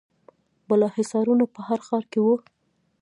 بالاحصارونه په هر ښار کې وو